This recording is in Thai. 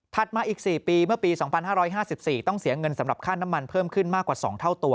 มาอีก๔ปีเมื่อปี๒๕๕๔ต้องเสียเงินสำหรับค่าน้ำมันเพิ่มขึ้นมากกว่า๒เท่าตัว